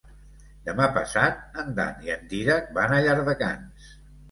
Demà passat en Dan i en Dídac van a Llardecans.